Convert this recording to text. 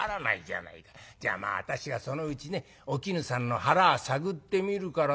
じゃあまあ私がそのうちねお絹さんの腹探ってみるから』